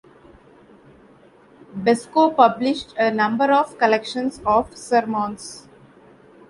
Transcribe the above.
Beskow published a number of collections of sermons.